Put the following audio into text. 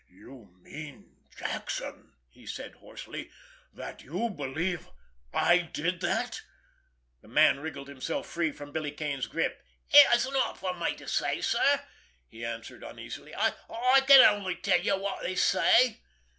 "You mean, Jackson," he said hoarsely, "that you believe I did that?" The man wriggled himself free from Billy Kane's grip. "It's not for me to say sir," he answered uneasily. "I—I can only tell you what they say."